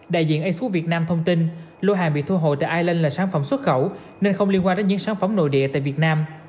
đại diện aso việt nam thông tin lô hàng bị thu hồi tại ireland là sản phẩm xuất khẩu nên không liên quan đến những sản phẩm nội địa tại việt nam